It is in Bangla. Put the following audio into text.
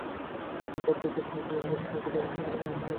কিক-অফের পরে ফটোসেশনের জন্য সবাইকে দাঁড়াতে হলো হাসি হাসি মুখ করে।